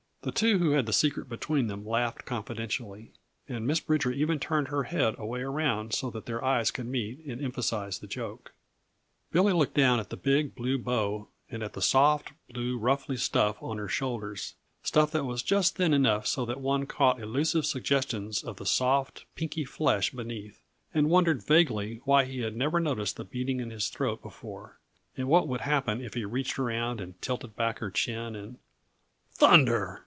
The two who had the secret between them laughed confidentially, and Miss Bridger even turned her head away around so that their eyes could meet and emphasize the joke. Billy looked down at the big, blue bow and at the soft, blue ruffly stuff on her shoulders stuff that was just thin enough so that one caught elusive suggestions of the soft, pinky flesh beneath and wondered vaguely why he had never noticed the beating in his throat before and what would happen if he reached around and tilted back her chin and "Thunder!